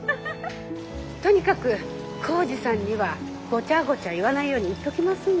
とにかく耕治さんにはごちゃごちゃ言わないように言っときますので。